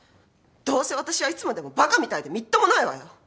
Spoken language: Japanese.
どうせ私はいつまでもバカみたいでみっともないわよ！